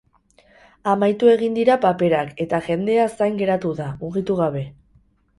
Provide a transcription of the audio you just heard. Amaitu egin dira paperak eta jendea zain geratu da, mugitu gabe.